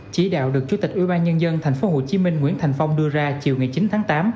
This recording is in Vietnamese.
chí đạo được chủ tịch ubnd tp hcm nguyễn thành phong đưa ra chiều chín tháng tám